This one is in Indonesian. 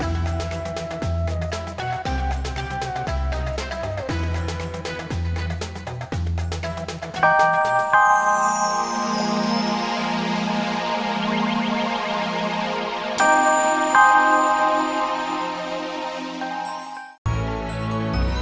tarik nafas lagi